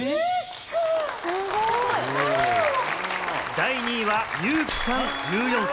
第２位はユウキさん、１４歳。